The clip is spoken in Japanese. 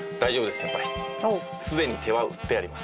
すでに手は打ってあります。